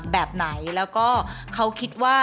แบบไหนแล้วก็เขาคิดว่า